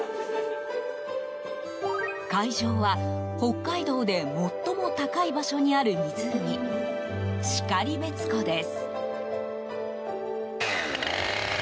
会場は、北海道で最も高い場所にある湖然別湖です。